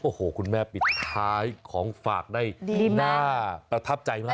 โอ้โหคุณแม่ปิดท้ายของฝากได้น่าประทับใจมาก